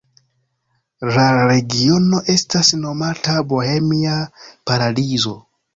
La regiono estas nomata Bohemia Paradizo.